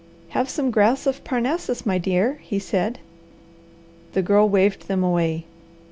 "Have some Grass of Parnassus, my dear," he said. The Girl waved them away.